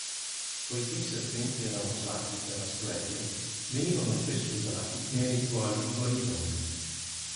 Poiché i serpenti erano sacri per Asclepio, venivano spesso usati nei rituali di guarigione.